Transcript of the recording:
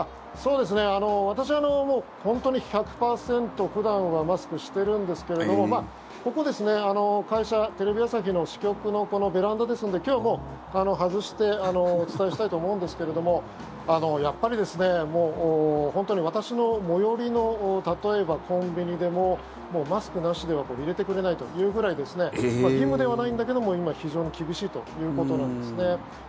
私は本当に１００％普段はマスクしてるんですけどもここですね、会社、テレビ朝日の支局のベランダですので今日はもう外してお伝えしたいと思うんですけれどもやっぱり本当に私の最寄りの例えばコンビニでももうマスクなしでは入れてくれないというぐらい義務ではないんだけども今、非常に厳しいということなんですね。